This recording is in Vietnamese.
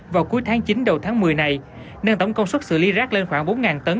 vào cuối tháng chín đầu tháng một mươi này nâng tổng công suất xử lý rác lên khoảng bốn tấn